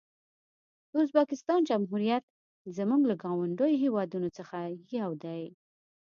د ازبکستان جمهوریت زموږ له ګاونډیو هېوادونو څخه یو دی.